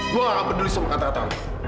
gue gak peduli sama kata kata lo